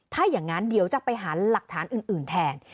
ถ้าอย่างนั้นเดี๋ยวจะไปหาหลักฐานอื่นแทน